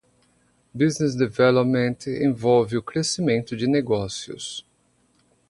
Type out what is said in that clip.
Business Development envolve o crescimento de negócios.